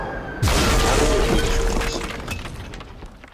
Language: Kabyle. Ẓriɣ yagi d acu ay teɣsemt!